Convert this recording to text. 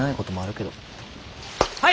はい！